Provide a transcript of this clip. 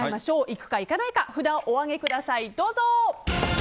行くか行かないか札をお上げください。